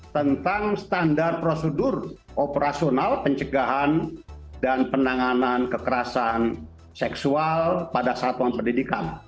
tentang standar prosedur operasional pencegahan dan penanganan kekerasan seksual pada satuan pendidikan